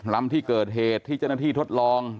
ลำที่เกิดเหตุที่เจ้าหน้าที่ทดลอง